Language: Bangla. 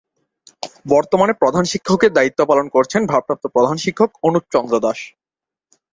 বর্তমানে প্রধান শিক্ষকের দায়িত্ব পালন করছেন ভারপ্রাপ্ত প্রধান শিক্ষক অনুপ চন্দ্র দাস।